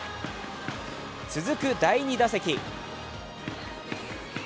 続く第２打席。